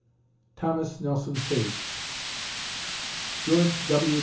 THOMAS NELSON PAGE _George W.